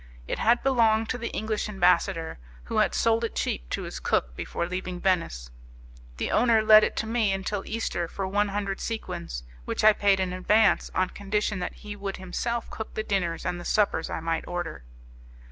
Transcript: It had belonged to the English ambassador, who had sold it cheap to his cook before leaving Venice. The owner let it to me until Easter for one hundred sequins, which I paid in advance on condition that he would himself cook the dinners and the suppers I might order.